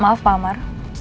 maaf pak amar